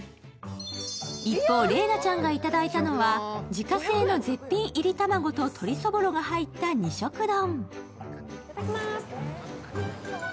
一方、麗菜ちゃんがいだいたのは自家製の絶品いり卵と鶏そぼろが入った二色丼。